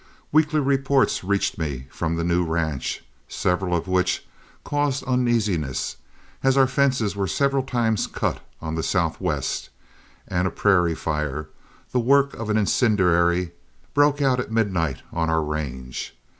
Weekly reports reached me from the new ranch, several of which caused uneasiness, as our fences were several times cut on the southwest, and a prairie fire, the work of an incendiary, broke out at midnight on our range.